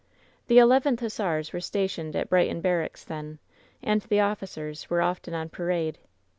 "The Eleventh Hussars were stationed at Brighton Barracks then, and the officers were often on parade.